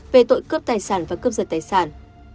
về tội cướp tài sản và cướp giật tài sản